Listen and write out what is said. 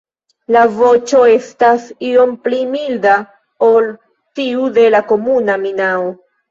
La voĉo estas iom pli milda ol tiu de la Komuna minao.